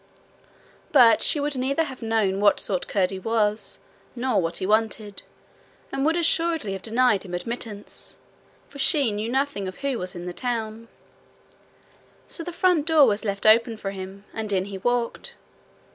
But she would neither have known what sort Curdie was, nor what he wanted, and would assuredly have denied him admittance, for she knew nothing of who was in the tower. So the front door was left open for him, and in he walked.